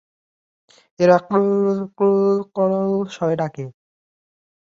এরা "ক্রুরর-ক্ররর-ক্রররল" স্বরে ডাকে।